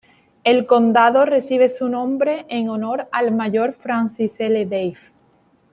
El condado recibe su nombre en honor al Mayor Francis L. Dade.